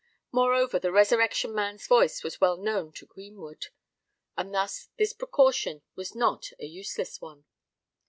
Moreover, the Resurrection Man's voice was well known to Greenwood; and thus this precaution was not an useless one.